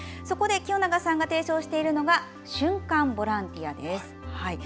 そこで清永さんが提唱しているのが瞬間ボランティアです。